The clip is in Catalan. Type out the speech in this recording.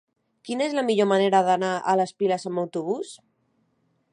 Quina és la millor manera d'anar a les Piles amb autobús?